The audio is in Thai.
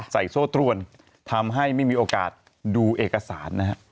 โซ่ตรวนทำให้ไม่มีโอกาสดูเอกสารนะฮะ